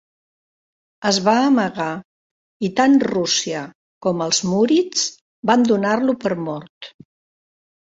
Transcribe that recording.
Es va amagar i tant Rússia com els murids van donar-lo per mort.